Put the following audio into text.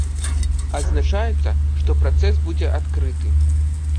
Адзначаецца, што працэс будзе адкрыты.